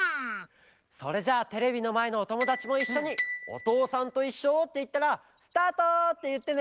それじゃあテレビのまえのおともだちもいっしょに「おとうさんといっしょ」っていったら「スタート！」っていってね。